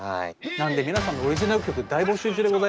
なんで皆さんのオリジナル曲大募集中でございます。